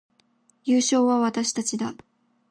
優勝は私たちだ